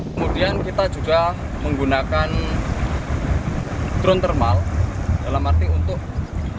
kemudian kita juga menggunakan drone thermal dalam arti untuk